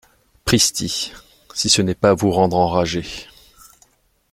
Pristi ! si ce n'est pas à vous rendre enragé !